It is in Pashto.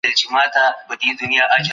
کار کول د عبادت یوه برخه ده.